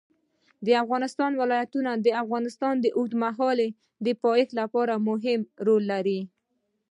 د افغانستان ولايتونه د افغانستان د اوږدمهاله پایښت لپاره مهم رول لري.